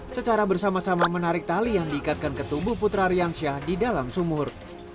secara bersama sama menarik tali yang diikatkan ke tubuh putra riansyah di dalam sumur